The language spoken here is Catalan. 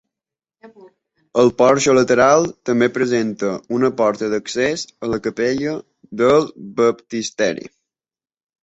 El porxo lateral també presenta una porta d'accés a la capella del Baptisteri.